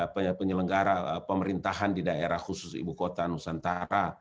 penyelenggara pemerintahan di daerah khusus ibu kota nusantara